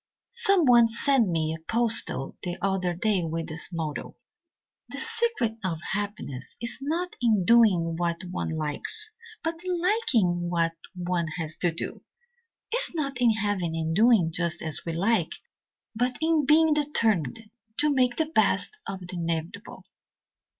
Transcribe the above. "Someone sent me a postal the other day with this motto: 'The secret of happiness is not in doing what one likes, but in liking what one has to do.' It is not in having and doing just as we like, but in being determined to make the best of the inevitable.